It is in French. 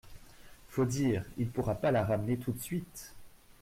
Faut dire, il pourra pas la ramener tout de suite.